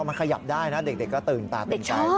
มันขยับได้นะเด็กก็ตื่นตาตื่นใจ